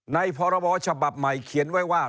พรบฉบับใหม่เขียนไว้ว่า